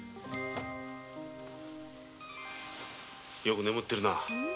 よく眠っているな。